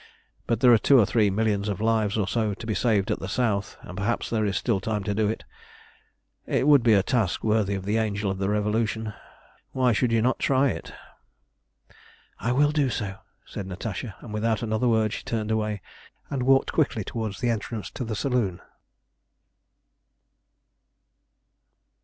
But there are two or three millions of lives or so to be saved at the south, and perhaps there is still time to do it. It would be a task worthy of the Angel of the Revolution; why should you not try it?" "I will do so," said Natasha, and without another word she turned away and walked quickly towards the entrance to the saloon.